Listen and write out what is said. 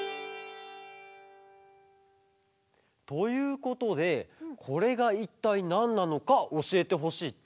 ということでこれがいったいなんなのかおしえてほしいって。